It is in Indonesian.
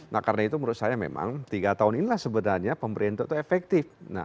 nah karena itu menurut saya memang tiga tahun inilah sebenarnya pemerintah itu efektif